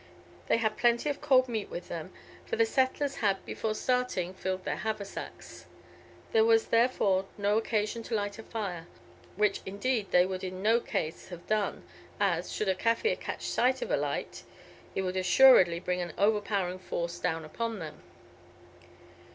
They had plenty of cold meat with them, for the settlers had, before starting, filled their haversacks. There was, therefore, no occasion to light a fire, which, indeed, they would in no case have done, as, should a Kaffir catch sight of a light, he would assuredly bring an overpowering force down upon them.